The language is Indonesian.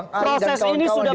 proses ini sudah membebaskan